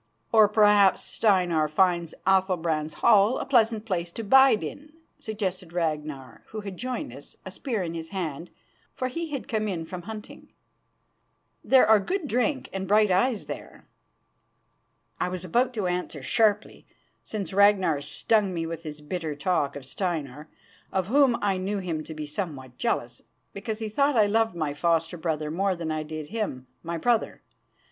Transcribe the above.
"Or perhaps Steinar finds Athalbrand's hall a pleasant place to bide in," suggested Ragnar, who had joined us, a spear in his hand, for he had come in from hunting. "There are good drink and bright eyes there." I was about to answer sharply, since Ragnar stung me with his bitter talk of Steinar, of whom I knew him to be somewhat jealous, because he thought I loved my foster brother more than I did him, my brother.